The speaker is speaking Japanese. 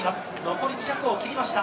残り２００を切りました。